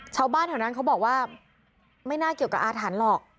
ชาวบ้านแถวนั้นเขาบอกว่าไม่น่าเกี่ยวกับอาถรรพ์หรอก